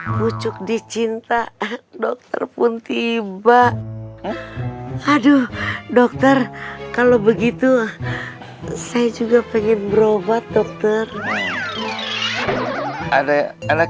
pucuk dicinta dokter pun tiba aduh dokter kalau begitu saya juga pengen berobat dokter ada anak